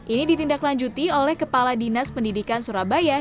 ini ditindaklanjuti oleh kepala dinas pendidikan surabaya